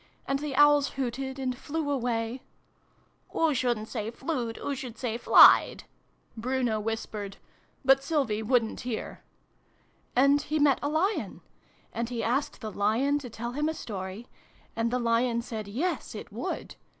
And the Owls hooted and flew away (" Oo shouldn't say ' flewed ;' oo should say ' flied? ' Bruno whispered. But Sylvie wouldn't hear.) " And he met a Lion. And he asked the Lion to tell him a story. And the Lion said ' yes/ it would.